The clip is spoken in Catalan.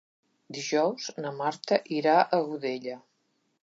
Dijous na Marta irà a Godella.